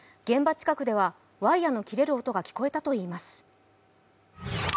現場近くではワイヤの切れる音が聞こえたといいます。